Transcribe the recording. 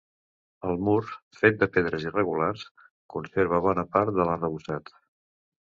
El mur, fet de pedres irregulars, conserva bona part de l'arrebossat.